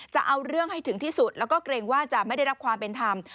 จะเอาเรื่องให้ถึงที่สุดแล้วก็เกรงว่าจะไม่ได้รับความเป็นธรรม